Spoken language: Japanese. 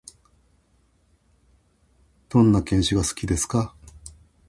どんな犬種が好きですか？